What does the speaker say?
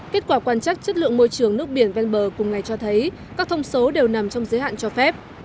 kết quả quan chắc chất lượng môi trường nước biển ven bờ cùng ngày cho thấy các thông số đều nằm trong giới hạn cho phép